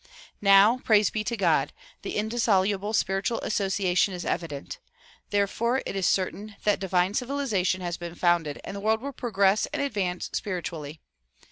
Now, Praise be to God! the indissoluble spiritual association is evident; there fore it is certain that divine civilization has been founded and the world will progress and advance spiritually.